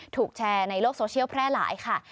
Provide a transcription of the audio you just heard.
ถูกแชร์ในโลกโซเชียลแพร่หลายค่ะ